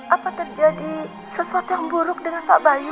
apa terjadi sesuatu yang buruk dengan pak bayu